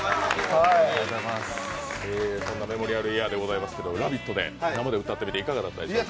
そんなメモリアルイヤーですけど、「ラヴィット！」で生で歌ってみていかがだったでしょうか？